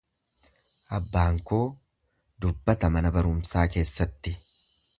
Abbaan koo dubbata mana barumsaa keessatti.